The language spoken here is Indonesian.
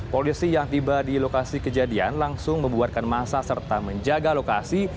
polisi yang tiba di lokasi kejadian langsung membuarkan masa serta menjaga lokasi